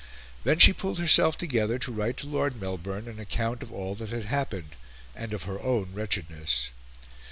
Then she pulled herself together to write to Lord Melbourne an account of all that had happened, and of her own wretchedness.